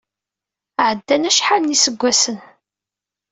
Ɛeddan acḥal n yiseggasen.